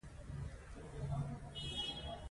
په دې وخت کې بزګر د فیوډال ځمکه برابروله.